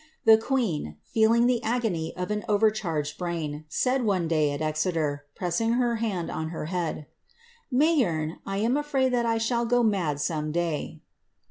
The queen, feeling the agony of an overcharged brain, said, one day at Exeter, pressing her hand oa her head, ^* Mayeme, I am afraid that I shall go mad some day.